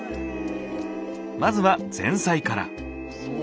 まずは前菜から。